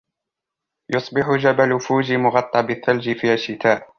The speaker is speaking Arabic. يصبح جبل فوجي مغطًى بالثلج في الشتاء.